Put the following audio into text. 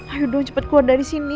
ayo dong cepat keluar dari sini